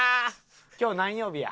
今日何曜日や？